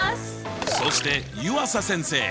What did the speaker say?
そして湯浅先生。